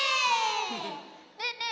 ねえねえ